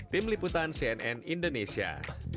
tim liputan cnn indonesia